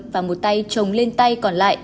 và một tay trồng lên tay còn lại